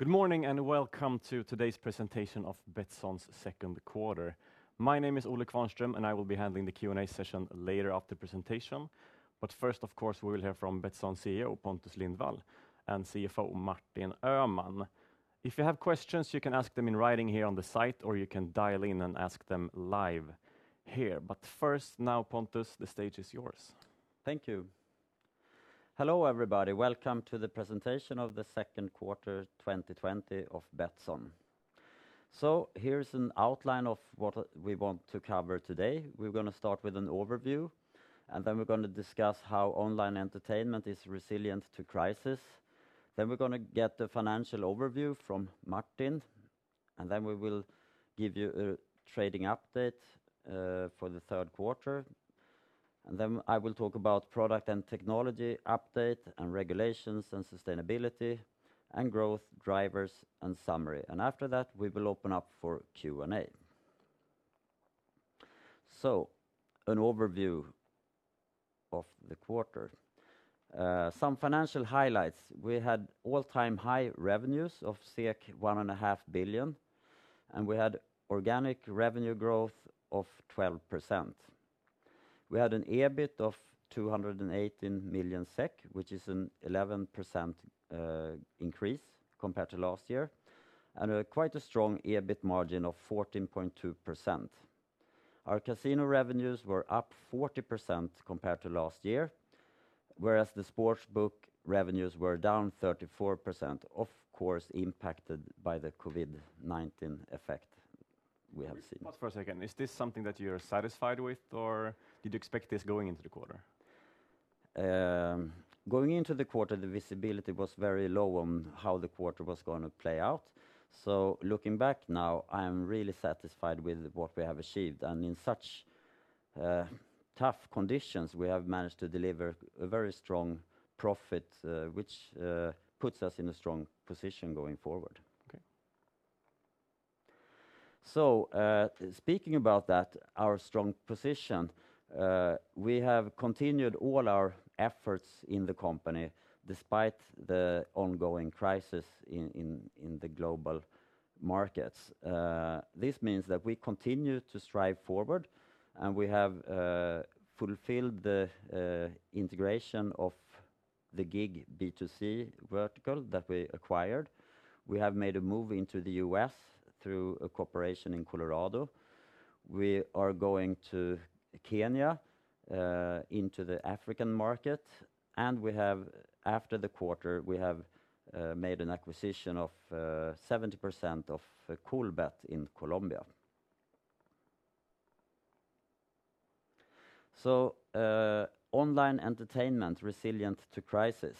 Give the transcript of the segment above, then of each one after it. Good morning, welcome to today's presentation of Betsson's second quarter. My name is Olle Qvarnström and I will be handling the Q&A session later after the presentation. First, of course, we will hear from Betsson CEO Pontus Lindwall and CFO Martin Öhman. If you have questions, you can ask them in writing here on the site, or you can dial in and ask them live here. First, now, Pontus, the stage is yours. Thank you. Hello, everybody. Welcome to the presentation of the second quarter 2020 of Betsson. Here's an outline of what we want to cover today. We're going to start with an overview, and then we're going to discuss how online entertainment is resilient to crisis. We're going to get the financial overview from Martin, and then we will give you a trading update for the third quarter. I will talk about product and technology update, and regulations and sustainability, and growth drivers and summary. After that, we will open up for Q&A. An overview of the quarter. Some financial highlights. We had all-time high revenues of 1.5 billion, and we had organic revenue growth of 12%. We had an EBIT of 218 million SEK, which is an 11% increase compared to last year, and quite a strong EBIT margin of 14.2%. Our casino revenues were up 40% compared to last year, whereas the sports book revenues were down 34%, of course, impacted by the COVID-19 effect we have seen. Pause for a second. Is this something that you're satisfied with, or did you expect this going into the quarter? Going into the quarter, the visibility was very low on how the quarter was going to play out. Looking back now, I am really satisfied with what we have achieved. In such tough conditions, we have managed to deliver a very strong profit, which puts us in a strong position going forward. Okay. Speaking about that, our strong position, we have continued all our efforts in the company despite the ongoing crisis in the global markets. This means that we continue to strive forward, and we have fulfilled the integration of the GiG B2C vertical that we acquired. We have made a move into the U.S. through a cooperation in Colorado. We are going to Kenya, into the African market, and after the quarter, we have made an acquisition of 70% of Colbet in Colombia. Online entertainment, resilient to crisis.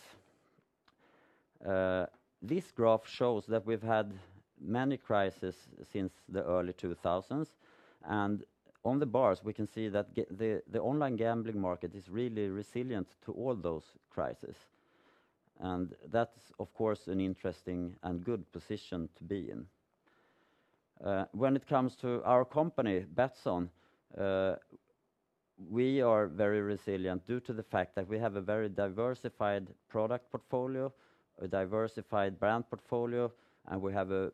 This graph shows that we've had many crises since the early 2000s, and on the bars, we can see that the online gambling market is really resilient to all those crises. That's, of course, an interesting and good position to be in. When it comes to our company, Betsson, we are very resilient due to the fact that we have a very diversified product portfolio, a diversified brand portfolio, and we have a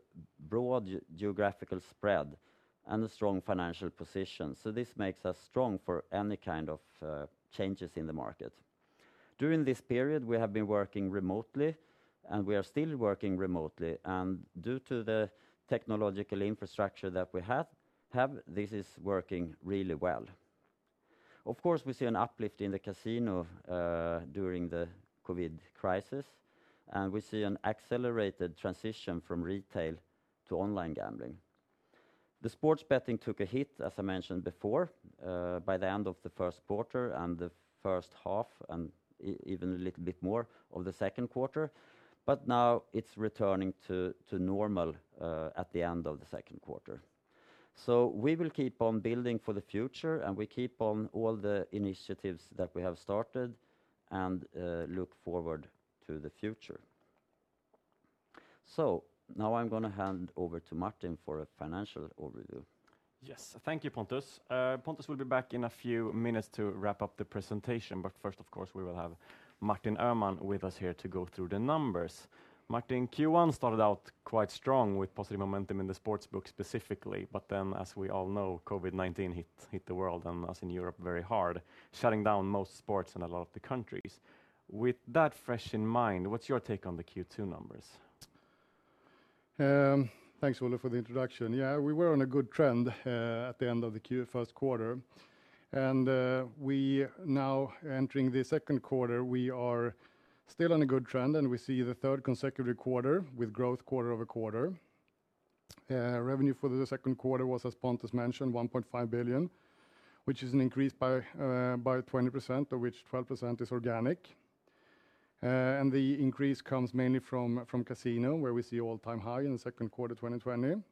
broad geographical spread and a strong financial position. This makes us strong for any kind of changes in the market. During this period, we have been working remotely, and we are still working remotely. Due to the technological infrastructure that we have, this is working really well. Of course, we see an uplift in the casino during the COVID crisis, and we see an accelerated transition from retail to online gambling. The sports betting took a hit, as I mentioned before, by the end of the first quarter and the first half and even a little bit more of the second quarter, but now it's returning to normal at the end of the second quarter. We will keep on building for the future, and we keep on all the initiatives that we have started and look forward to the future. Now I'm going to hand over to Martin for a financial overview. Yes. Thank you, Pontus. Pontus will be back in a few minutes to wrap up the presentation. First, of course, we will have Martin Öhman with us here to go through the numbers. Martin, Q1 started out quite strong with positive momentum in the sportsbook specifically. Then, as we all know, COVID-19 hit the world and us in Europe very hard, shutting down most sports in a lot of the countries. With that fresh in mind, what's your take on the Q2 numbers? Thanks, Olle, for the introduction. We were on a good trend at the end of the first quarter. Now entering the second quarter, we are still on a good trend, and we see the third consecutive quarter with growth quarter-over-quarter. Revenue for the second quarter was, as Pontus mentioned, 1.5 billion, which is an increase by 20%, of which 12% is organic. The increase comes mainly from casino, where we see all-time high in the second quarter 2020.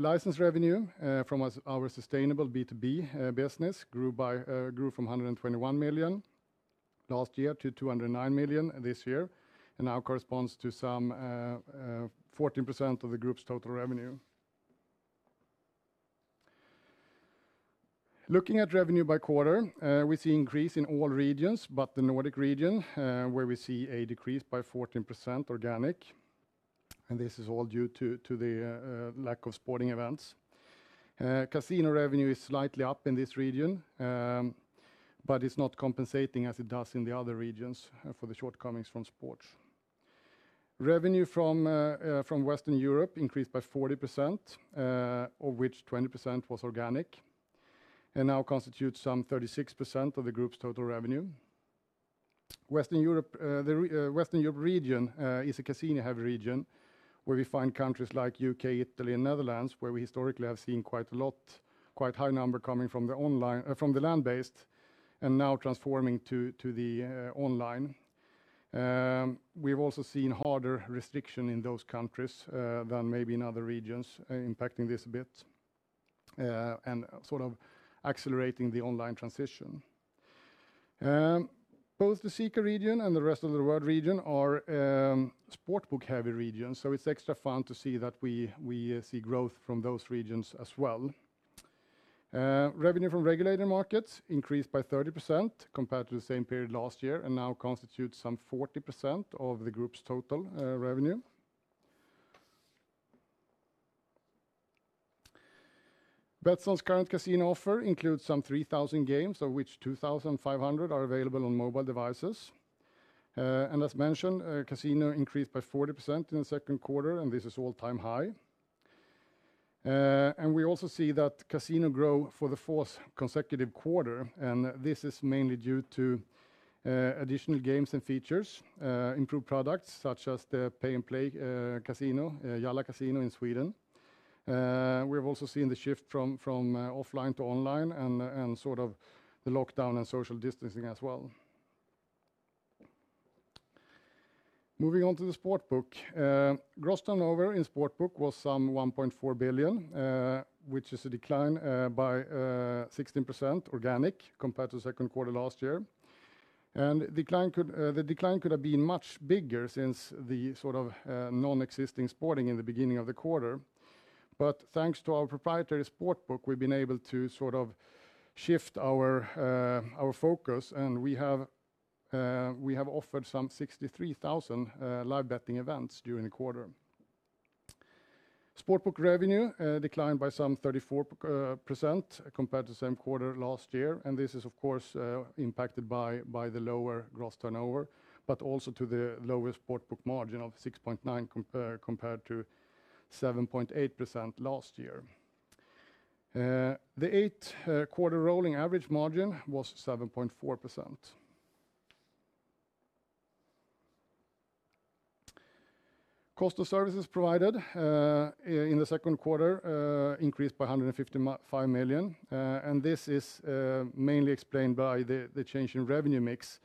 License revenue from our sustainable B2B business grew from 121 million last year to 209 million this year and now corresponds to some 14% of the group's total revenue. Looking at revenue by quarter, we see increase in all regions but the Nordic region, where we see a decrease by 14% organic. This is all due to the lack of sporting events. Casino revenue is slightly up in this region, but it's not compensating as it does in the other regions for the shortcomings from sports. Revenue from Western Europe increased by 40%, of which 20% was organic, and now constitutes some 36% of the group's total revenue. Western Europe region is a casino-heavy region, where we find countries like U.K., Italy, and Netherlands, where we historically have seen quite high number coming from the land-based and now transforming to the online. We've also seen harder restriction in those countries than maybe in other regions, impacting this a bit, and accelerating the online transition. Both the CEE&CA region and the rest of the world region are sportsbook heavy regions. It's extra fun to see that we see growth from those regions as well. Revenue from regulated markets increased by 30% compared to the same period last year and now constitutes some 40% of the group's total revenue. Betsson's current casino offer includes some 3,000 games, of which 2,500 are available on mobile devices. As mentioned, casino increased by 40% in the second quarter, and this is all-time high. We also see that casino grow for the fourth consecutive quarter, and this is mainly due to additional games and features, improved products such as the Pay N Play casino, Jalla Casino in Sweden. We have also seen the shift from offline to online, and the lockdown and social distancing as well. Moving on to the sport book. Gross turnover in sport book was some 1.4 billion, which is a decline by 16% organic compared to second quarter last year. The decline could have been much bigger since the non-existing sports in the beginning of the quarter. Thanks to our proprietary sportsbook, we've been able to shift our focus, and we have offered some 63,000 live betting events during the quarter. Sportsbook revenue declined by some 34% compared to the same quarter last year. This is of course, impacted by the lower gross turnover, but also to the lower sportsbook margin of 6.9% compared to 7.8% last year. The eight quarter rolling average margin was 7.4%. Cost of services provided in the second quarter, increased by 155 million. This is mainly explained by the change in revenue mix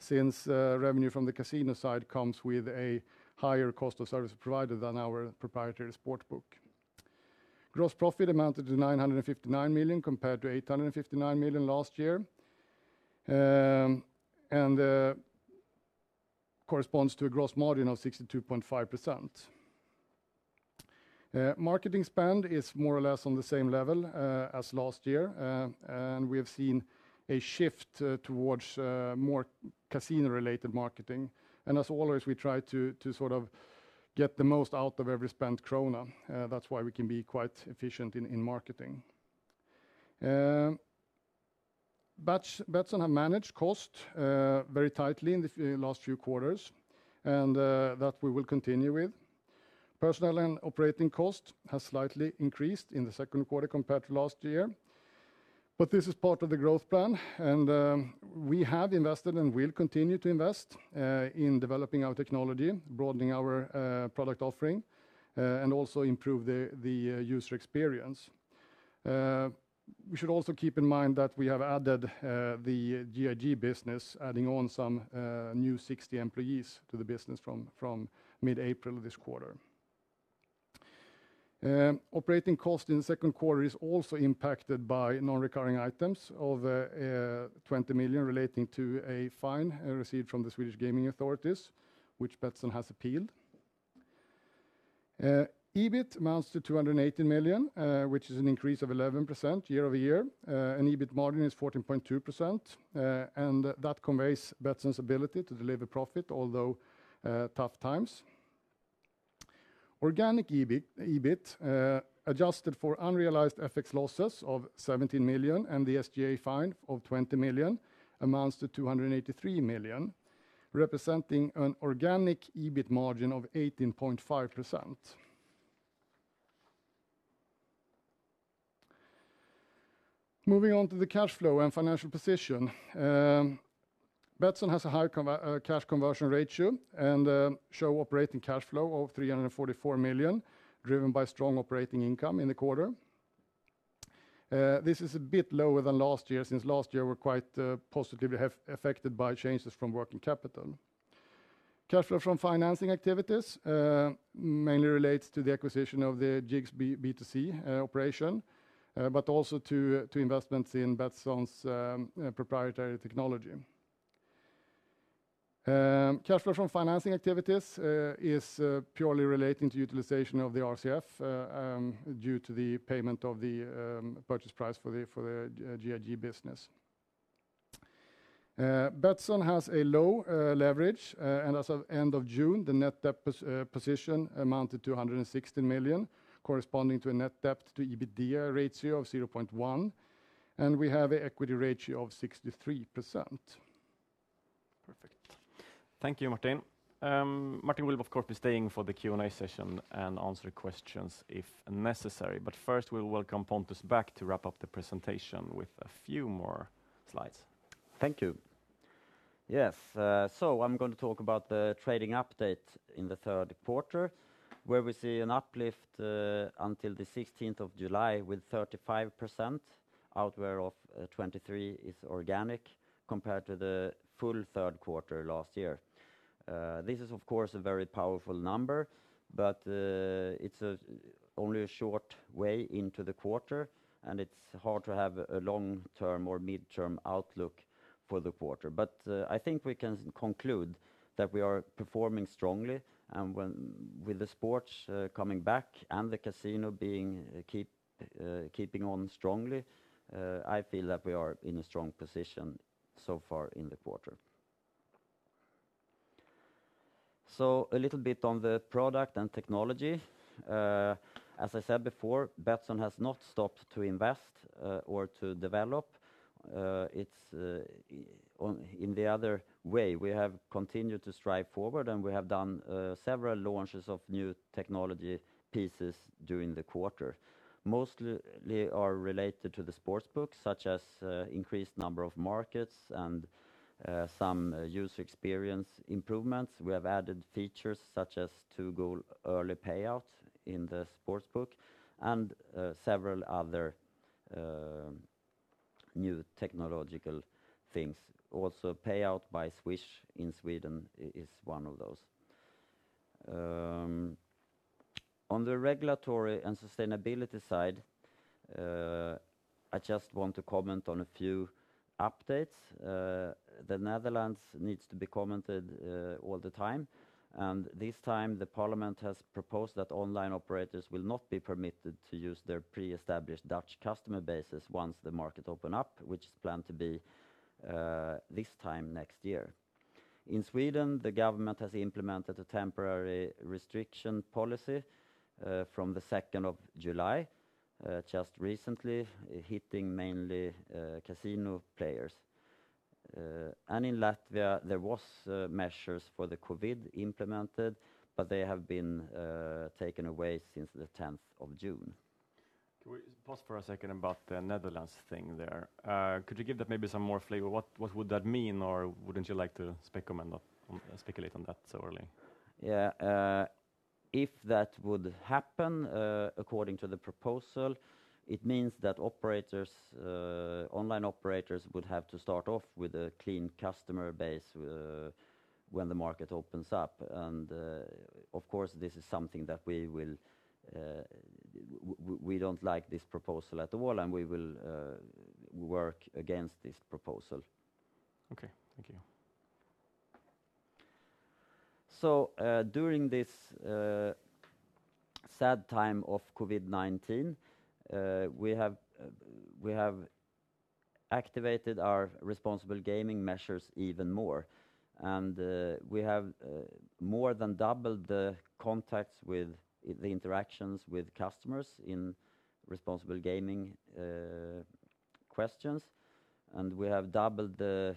since revenue from the casino side comes with a higher cost of service provider than our proprietary sportsbook. Gross profit amounted to 959 million compared to 859 million last year. Corresponds to a gross margin of 62.5%. Marketing spend is more or less on the same level as last year. We have seen a shift towards more casino-related marketing. As always, we try to get the most out of every spent krona. That's why we can be quite efficient in marketing. Betsson have managed cost very tightly in the last few quarters. That we will continue with. Personnel and operating cost has slightly increased in the second quarter compared to last year. This is part of the growth plan. We have invested and will continue to invest in developing our technology, broadening our product offering, and also improve the user experience. We should also keep in mind that we have added the GiG business, adding on some new 60 employees to the business from mid-April this quarter. Operating cost in the second quarter is also impacted by non-recurring items of 20 million relating to a fine received from the Swedish Gambling Authority, which Betsson has appealed. EBIT amounts to 218 million, which is an increase of 11% year-over-year. EBIT margin is 14.2%. That conveys Betsson's ability to deliver profit although tough times. Organic EBIT, adjusted for unrealized FX losses of 17 million and the SGA fine of 20 million, amounts to 283 million, representing an organic EBIT margin of 18.5%. Moving on to the cash flow and financial position. Betsson has a high cash conversion ratio and show operating cash flow of 344 million, driven by strong operating income in the quarter. This is a bit lower than last year, since last year we were quite positively affected by changes from working capital. Cash flow from financing activities, mainly relates to the acquisition of the GiG B2C operation, but also to investments in Betsson's proprietary technology. Cash flow from financing activities is purely relating to utilization of the RCF due to the payment of the purchase price for the GiG business. Betsson has a low leverage, and as of end of June, the net debt position amounted to 116 million, corresponding to a net debt to EBITDA ratio of 0.1%, and we have an equity ratio of 63%. Perfect. Thank you, Martin. Martin will, of course, be staying for the Q&A session and answer questions if necessary. First, we'll welcome Pontus back to wrap up the presentation with a few more slides. Thank you. Yes. I'm going to talk about the trading update in the third quarter, where we see an uplift until the July 16th with 35%, out whereof 23% is organic compared to the full third quarter last year. This is, of course, a very powerful number, it's only a short way into the quarter, and it's hard to have a long-term or mid-term outlook for the quarter. I think we can conclude that we are performing strongly, and with the sports coming back and the casino keeping on strongly, I feel that we are in a strong position so far in the quarter. A little bit on the product and technology. As I said before, Betsson has not stopped to invest or to develop. It's in the other way. We have continued to strive forward, and we have done several launches of new technology pieces during the quarter. Mostly are related to the sportsbook, such as increased number of markets and some user experience improvements. We have added features such as two-goal early payout in the sportsbook and several other new technological things. Also, payout by Swish in Sweden is one of those. On the regulatory and sustainability side, I just want to comment on a few updates. The Netherlands needs to be commented on all the time, and this time the parliament has proposed that online operators will not be permitted to use their pre-established Dutch customer bases once the markets open up, which is planned to be this time next year. In Sweden, the government has implemented a temporary restriction policy from the July 2nd, just recently, hitting mainly casino players. In Latvia, there was measures for the COVID implemented, but they have been taken away since the June 10th. Can we pause for a second about the Netherlands thing there? Could you give that maybe some more flavor? What would that mean? Wouldn't you like to speculate on that so early? Yeah. If that would happen, according to the proposal, it means that online operators would have to start off with a clean customer base when the market opens up, and of course, this is something that we don't like this proposal at all, and we will work against this proposal. Okay. Thank you. During this sad time of COVID-19, we have activated our responsible gaming measures even more, and we have more than doubled the interactions with customers in responsible gaming questions, and we have doubled the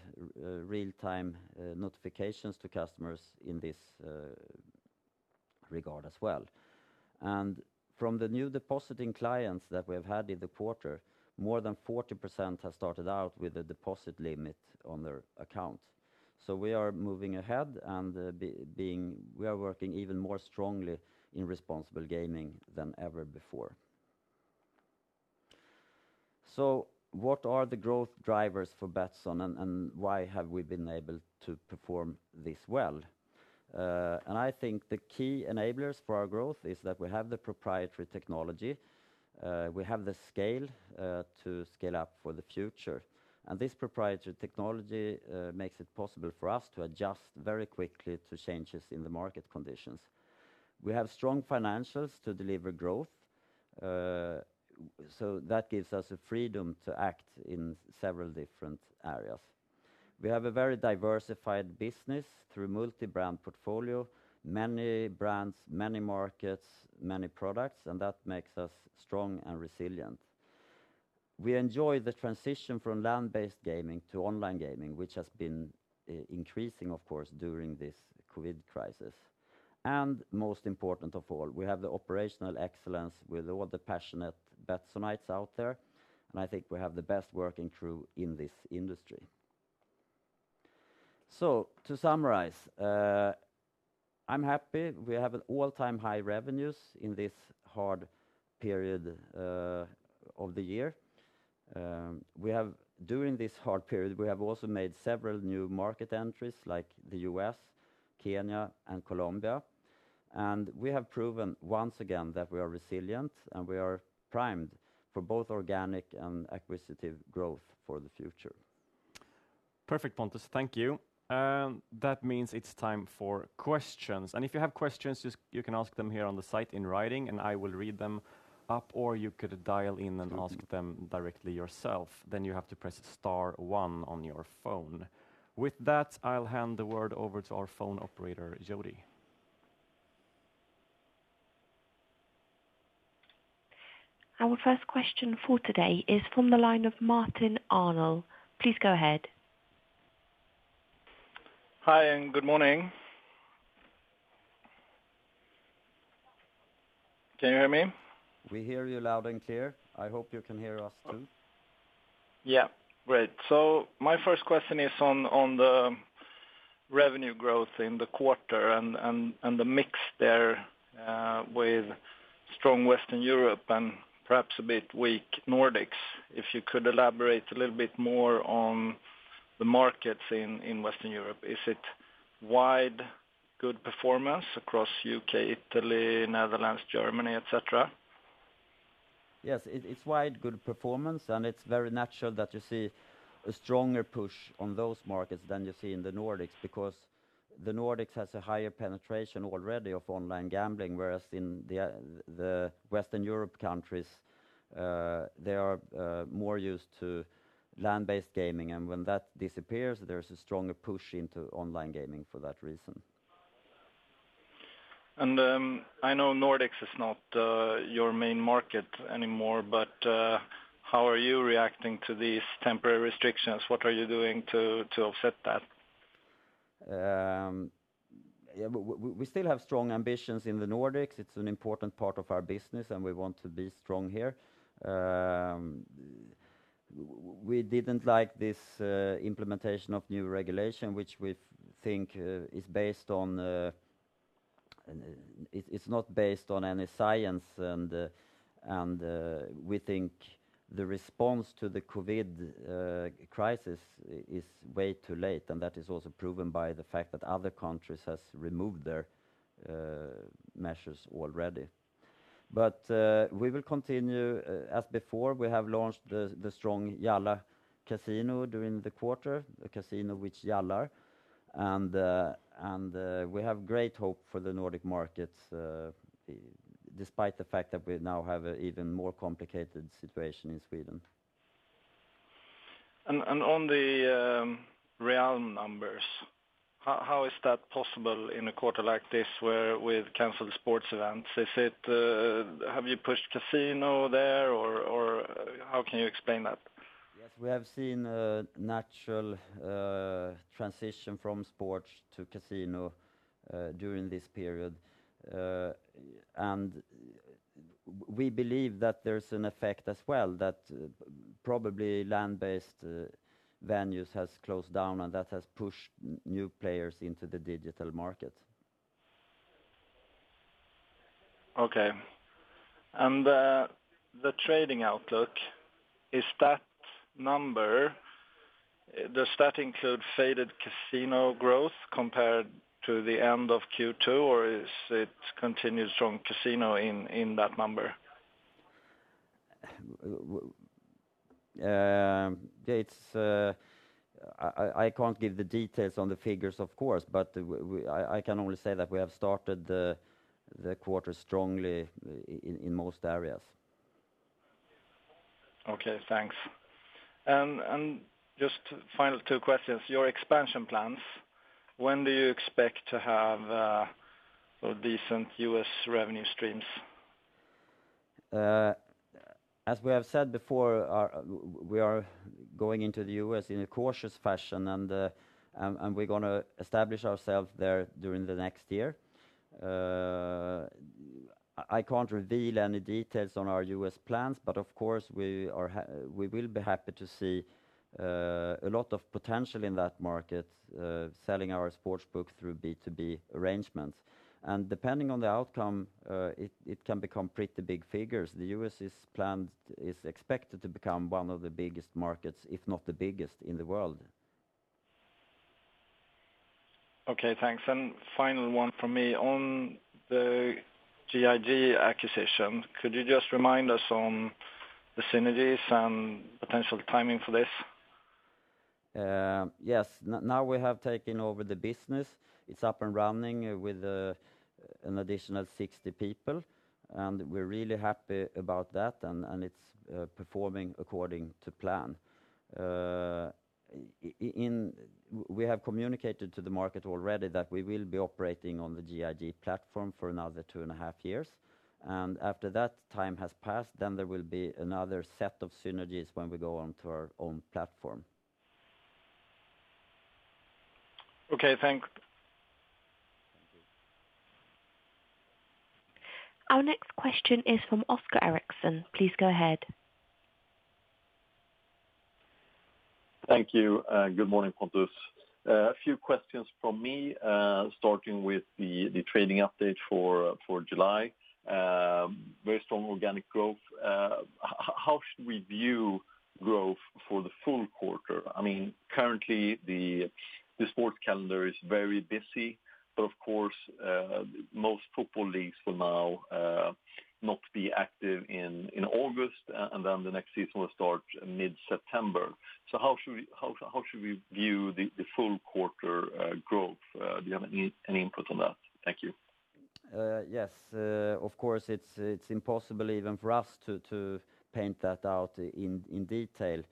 real-time notifications to customers in this regard as well. From the new depositing clients that we have had in the quarter, more than 40% have started out with a deposit limit on their account. We are moving ahead, and we are working even more strongly in responsible gaming than ever before. What are the growth drivers for Betsson, and why have we been able to perform this well? I think the key enablers for our growth is that we have the proprietary technology. We have the scale to scale up for the future. This proprietary technology makes it possible for us to adjust very quickly to changes in the market conditions. We have strong financials to deliver growth, that gives us the freedom to act in several different areas. We have a very diversified business through multi-brand portfolio, many brands, many markets, many products, that makes us strong and resilient. We enjoy the transition from land-based gaming to online gaming, which has been increasing, of course, during this COVID-19 crisis. Most important of all, we have the operational excellence with all the passionate Betssonites out there, I think we have the best working crew in this industry. To summarize, I'm happy we have all-time high revenues in this hard period of the year. During this hard period, we have also made several new market entries like the U.S., Kenya, and Colombia. We have proven once again that we are resilient and we are primed for both organic and acquisitive growth for the future. Perfect, Pontus, thank you. That means it's time for questions. If you have questions, you can ask them here on the site in writing, and I will read them up, or you could dial in and ask them directly yourself, then you have to press star one on your phone. With that, I'll hand the word over to our phone operator, Jody. Our first question for today is from the line of Martin Arnell. Please go ahead. Hi. Good morning. Can you hear me? We hear you loud and clear. I hope you can hear us too. Yeah. Great. My first question is on the revenue growth in the quarter and the mix there, with strong Western Europe and perhaps a bit weak Nordics. If you could elaborate a little bit more on the markets in Western Europe, is it wide good performance across U.K., Italy, Netherlands, Germany, et cetera? Yes, it's wide good performance, and it's very natural that you see a stronger push on those markets than you see in the Nordics because the Nordics has a higher penetration already of online gambling, whereas in the Western Europe countries, they are more used to land-based gaming, and when that disappears, there's a stronger push into online gaming for that reason. I know Nordics is not your main market anymore, but how are you reacting to these temporary restrictions? What are you doing to offset that? We still have strong ambitions in the Nordics. It's an important part of our business, and we want to be strong here. We didn't like this implementation of new regulation, which we think it's not based on any science. We think the response to the COVID-19 crisis is way too late, and that is also proven by the fact that other countries has removed their measures already. We will continue as before. We have launched the strong Jalla Casino during the quarter, a casino which Jalla. We have great hope for the Nordic markets, despite the fact that we now have an even more complicated situation in Sweden. On the Realm numbers, how is that possible in a quarter like this where we've canceled sports events? Have you pushed casino there, or how can you explain that? Yes, we have seen a natural transition from sports to casino during this period. We believe that there's an effect as well that probably land-based venues has closed down, and that has pushed new players into the digital market. Okay. The trading outlook, is that number, does that include faded casino growth compared to the end of Q2, or is it continued strong casino in that number? I can't give the details on the figures, of course, but I can only say that we have started the quarter strongly in most areas. Okay, thanks. Just final two questions. Your expansion plans, when do you expect to have decent U.S. revenue streams? As we have said before, we are going into the U.S. in a cautious fashion, and we're going to establish ourselves there during the next year. I can't reveal any details on our U.S. plans, but of course, we will be happy to see a lot of potential in that market, selling our sports book through B2B arrangements. Depending on the outcome, it can become pretty big figures. The U.S. is expected to become one of the biggest markets, if not the biggest in the world. Okay, thanks. Final one from me. On the GiG acquisition, could you just remind us on the synergies and potential timing for this? Yes. Now we have taken over the business. It's up and running with an additional 60 people, and we're really happy about that, and it's performing according to plan. We have communicated to the market already that we will be operating on the GiG platform for another two and a half years. After that time has passed, then there will be another set of synergies when we go onto our own platform. Okay, thanks. Thank you. Our next question is from Oscar Erixon. Please go ahead. Thank you. Good morning, Pontus. A few questions from me, starting with the trading update for July. Very strong organic growth. How should we view growth for the full quarter? Currently, the sports calendar is very busy, but of course, most football leagues will now not be active in August, and then the next season will start mid-September. How should we view the full quarter growth? Do you have any input on that? Thank you. Yes. Of course, it's impossible even for us to paint that out in detail.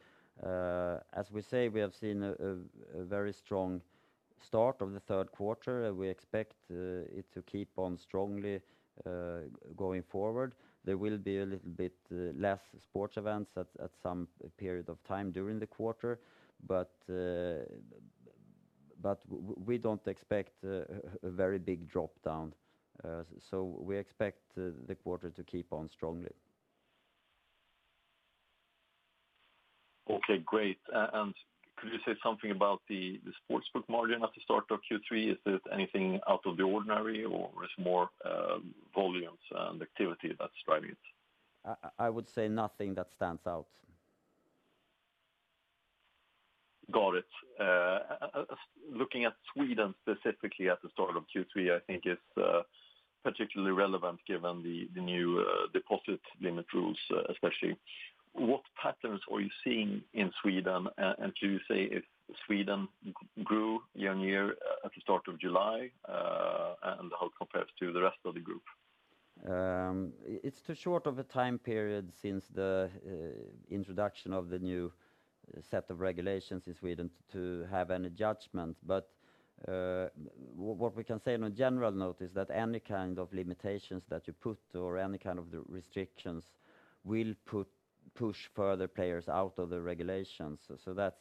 As we say, we have seen a very strong start of the third quarter. We expect it to keep on strongly going forward. There will be a little bit less sports events at some period of time during the quarter. We don't expect a very big drop-down. We expect the quarter to keep on strongly. Okay, great. Could you say something about the sportsbook margin at the start of Q3? Is it anything out of the ordinary, or it's more volumes and activity that's driving it? I would say nothing that stands out. Got it. Looking at Sweden specifically at the start of Q3, I think it's particularly relevant given the new deposit limit rules, especially. What patterns are you seeing in Sweden, and can you say if Sweden grew year-on-year at the start of July? How it compares to the rest of the group? It's too short of a time period since the introduction of the new set of regulations in Sweden to have any judgment. What we can say on a general note is that any kind of limitations that you put or any kind of restrictions will push further players out of the regulations. That's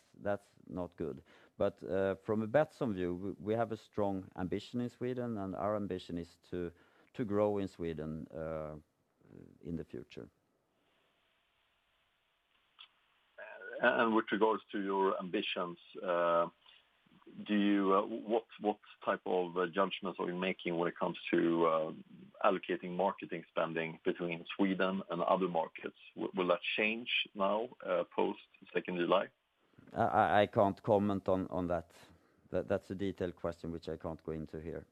not good. From a Betsson view, we have a strong ambition in Sweden, and our ambition is to grow in Sweden, in the future. With regards to your ambitions, what type of judgments are you making when it comes to allocating marketing spending between Sweden and other markets? Will that change now, post second July? I can't comment on that. That's a detailed question, which I can't go into here.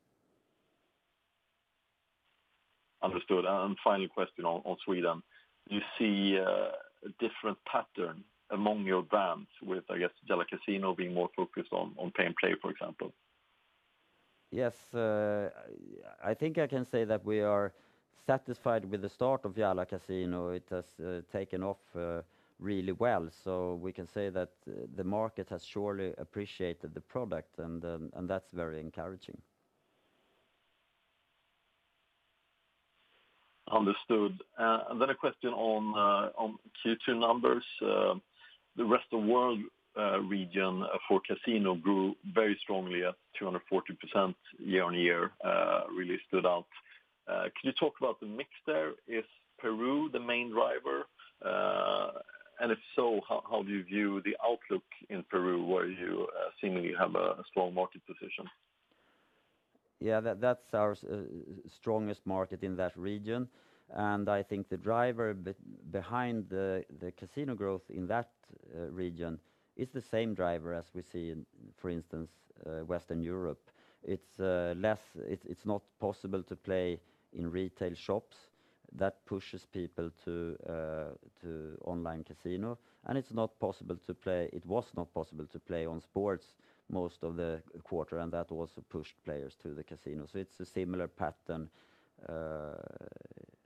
Understood. Final question on Sweden. Do you see a different pattern among your brands with, I guess, Jalla Casino being more focused on Pay N Play, for example? Yes. I think I can say that we are satisfied with the start of Jalla Casino. It has taken off really well. We can say that the market has surely appreciated the product, and that's very encouraging. Understood. A question on Q2 numbers. The Rest of World region for Casino grew very strongly at 240% year-on-year, really stood out. Can you talk about the mix there? Is Peru the main driver? If so, how do you view the outlook in Peru, where you seemingly have a strong market position? Yeah, that's our strongest market in that region. I think the driver behind the casino growth in that region is the same driver as we see in, for instance, Western Europe. It's not possible to play in retail shops. That pushes people to online casino, and it was not possible to play on sports most of the quarter, and that also pushed players to the casino. It's a similar pattern, as in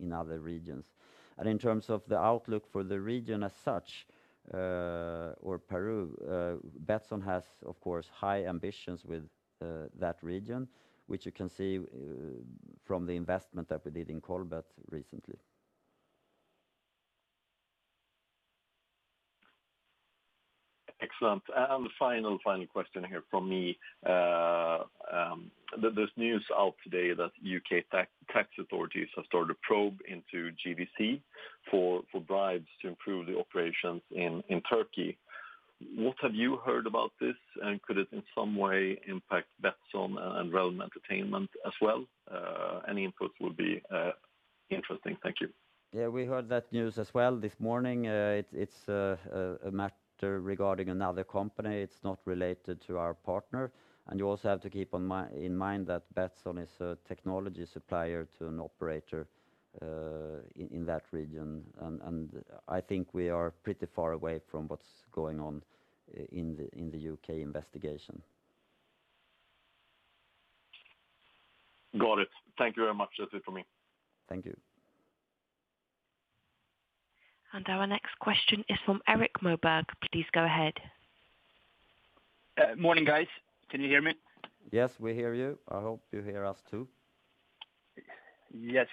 other regions. In terms of the outlook for the region as such, or Peru, Betsson has, of course, high ambitions with that region, which you can see from the investment that we did in Colbet recently. Excellent. The final question here from me. There's news out today that U.K. tax authorities have started a probe into GVC for bribes to improve the operations in Turkey. What have you heard about this, and could it in some way impact Betsson and Realm Entertainment as well? Any input would be interesting. Thank you. Yeah, we heard that news as well this morning. It's a matter regarding another company. It's not related to our partner. You also have to keep in mind that Betsson is a technology supplier to an operator in that region. I think we are pretty far away from what's going on in the U.K. investigation. Got it. Thank you very much. That's it from me. Thank you. Our next question is from Erik Moberg. Please go ahead. Morning, guys. Can you hear me? Yes, we hear you. I hope you hear us too. Yes.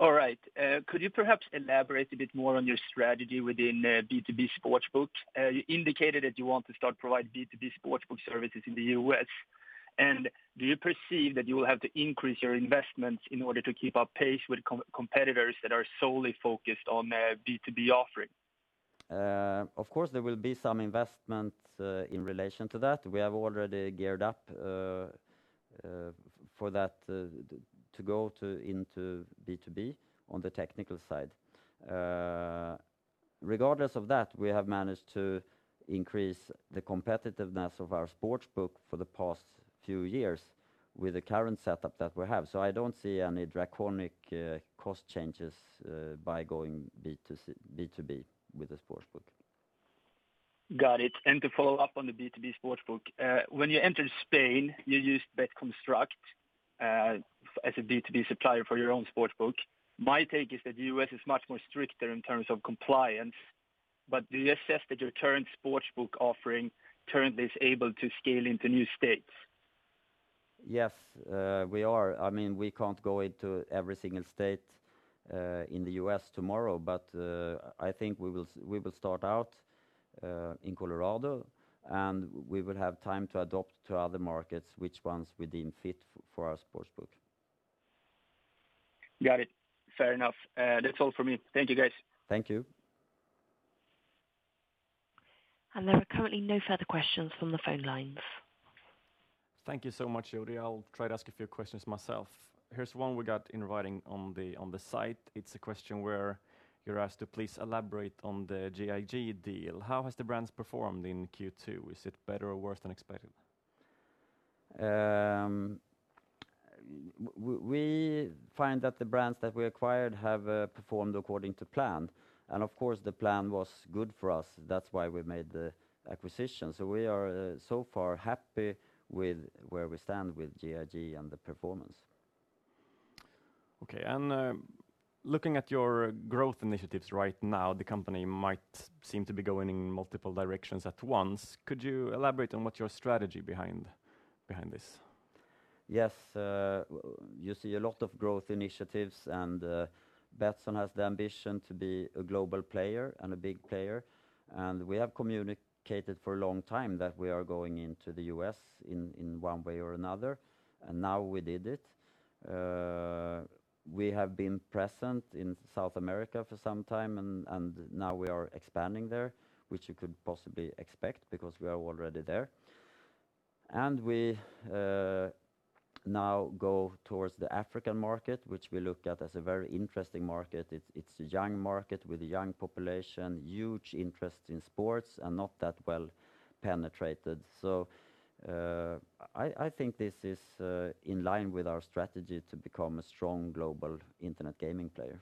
All right. Could you perhaps elaborate a bit more on your strategy within B2B sportsbooks? You indicated that you want to start providing B2B sportsbook services in the U.S. Do you perceive that you will have to increase your investments in order to keep up pace with competitors that are solely focused on B2B offering? Of course, there will be some investment in relation to that. We have already geared up for that to go into B2B on the technical side. Regardless of that, we have managed to increase the competitiveness of our sportsbook for the past few years with the current setup that we have. I don't see any draconic cost changes by going B2B with the sportsbook. Got it. To follow up on the B2B sportsbook. When you entered Spain, you used BetConstruct as a B2B supplier for your own sportsbook. My take is that the U.S. is much more stricter in terms of compliance. Do you assess that your current sportsbook offering currently is able to scale into new states? Yes. We are. We can't go into every single state in the U.S. tomorrow, I think we will start out in Colorado, we will have time to adopt to other markets, which ones we deem fit for our sportsbook. Got it. Fair enough. That's all from me. Thank you, guys. Thank you. There are currently no further questions from the phone lines. Thank you so much, Jodi. I'll try to ask a few questions myself. Here's one we got in writing on the site. It's a question where you're asked to please elaborate on the GiG deal. How has the brands performed in Q2? Is it better or worse than expected? We find that the brands that we acquired have performed according to plan. Of course, the plan was good for us. That's why we made the acquisition. We are so far happy with where we stand with GiG and the performance. Okay, looking at your growth initiatives right now, the company might seem to be going in multiple directions at once. Could you elaborate on what your strategy behind this? Yes. You see a lot of growth initiatives. Betsson has the ambition to be a global player and a big player. We have communicated for a long time that we are going into the U.S. in one way or another, and now we did it. We have been present in South America for some time, and now we are expanding there, which you could possibly expect because we are already there. We now go towards the African market, which we look at as a very interesting market. It's a young market with a young population, huge interest in sports, and not that well penetrated. I think this is in line with our strategy to become a strong global internet gaming player.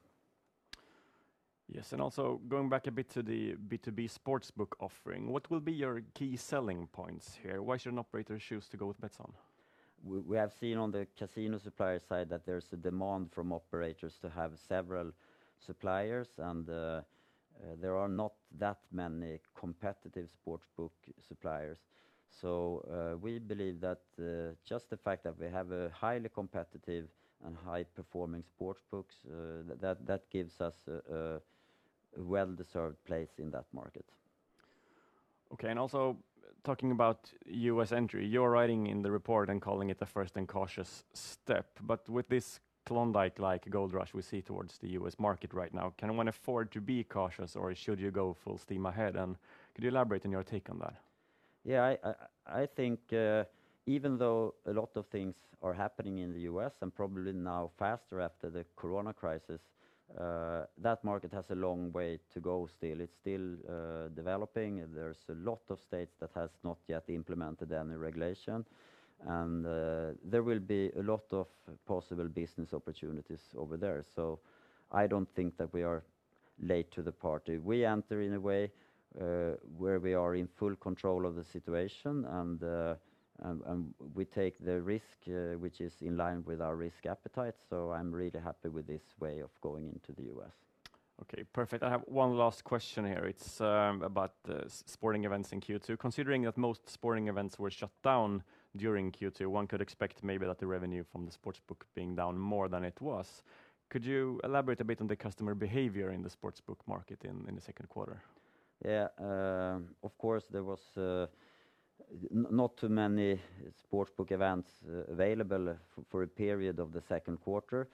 Yes, also going back a bit to the B2B sportsbook offering. What will be your key selling points here? Why should an operator choose to go with Betsson? We have seen on the casino supplier side that there's a demand from operators to have several suppliers, and there are not that many competitive sportsbook suppliers. We believe that just the fact that we have a highly competitive and high-performing sportsbooks that gives us a well-deserved place in that market. Okay, also talking about U.S. entry. You're writing in the report and calling it a first and cautious step. With this Klondike-like gold rush we see towards the U.S. market right now, can one afford to be cautious, or should you go full steam ahead? Could you elaborate on your take on that? Yeah, I think even though a lot of things are happening in the U.S. and probably now faster after the corona crisis, that market has a long way to go still. It's still developing. There's a lot of states that has not yet implemented any regulation. There will be a lot of possible business opportunities over there. I don't think that we are late to the party. We enter in a way where we are in full control of the situation, and we take the risk which is in line with our risk appetite. I'm really happy with this way of going into the U.S. Okay, perfect. I have one last question here. It's about the sporting events in Q2. Considering that most sporting events were shut down during Q2, one could expect maybe that the revenue from the sportsbook being down more than it was. Could you elaborate a bit on the customer behavior in the sportsbook market in the second quarter? Yeah. Of course, there was not too many sportsbook events available for a period of the second quarter.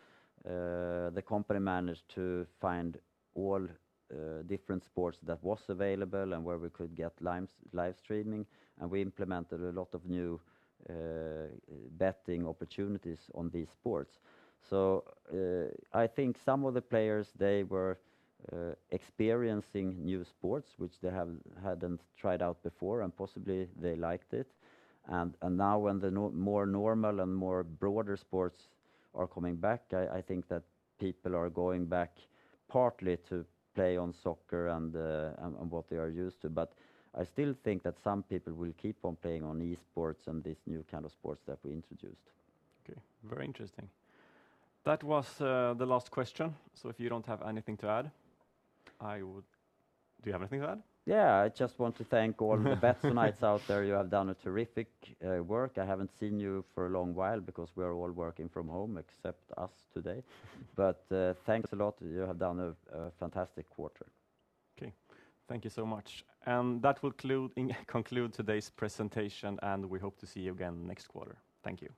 The company managed to find all different sports that was available and where we could get live streaming, and we implemented a lot of new betting opportunities on these sports. I think some of the players, they were experiencing new sports, which they hadn't tried out before, and possibly they liked it. Now when the more normal and more broader sports are coming back, I think that people are going back partly to play on soccer and on what they are used to. I still think that some people will keep on playing on e-sports and these new kind of sports that we introduced. Okay. Very interesting. That was the last question. If you don't have anything to add, do you have anything to add? I just want to thank all the Betssonites out there. You have done a terrific work. I haven't seen you for a long while because we are all working from home except us today. Thanks a lot. You have done a fantastic quarter. Okay. Thank you so much. That will conclude today's presentation, and we hope to see you again next quarter. Thank you.